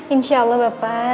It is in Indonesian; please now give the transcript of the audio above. insya allah bapak